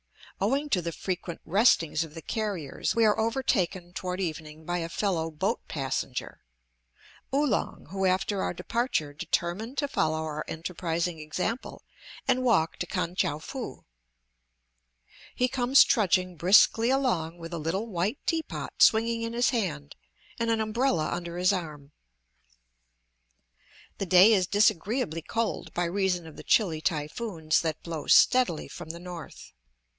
Owing to the frequent restings of the carriers we are overtaken toward evening by a fellow boat passenger, Oolong, who after our departure determined to follow our enterprising example and walk to Kan tchou foo. He comes trudging briskly along with a little white tea pot swinging in his hand and an umbrella under his arm. The day is disagreeably cold by reason of the chilly typhoons that blow steadily from the north.